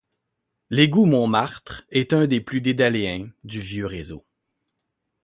L'égout Montmartre est un des plus dédaléens du vieux réseau.